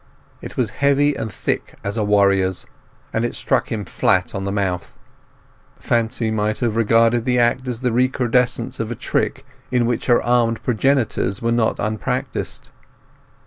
It was heavy and thick as a warrior's, and it struck him flat on the mouth. Fancy might have regarded the act as the recrudescence of a trick in which her armed progenitors were not unpractised.